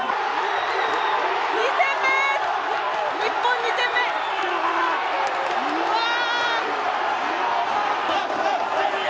２点目、日本２点目、わあ！